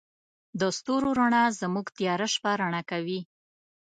د ستورو رڼا زموږ تیاره شپه رڼا کوي.